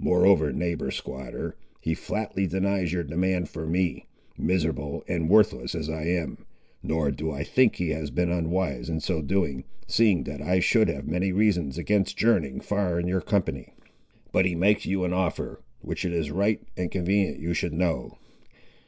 Moreover, neighbour squatter, he flatly denies your demand for me, miserable and worthless as I am; nor do I think he has been unwise in so doing, seeing that I should have many reasons against journeying far in your company. But he makes you an offer, which it is right and convenient you should know.